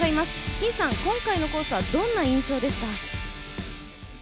金さん、今回のコースはどんな印象ですか？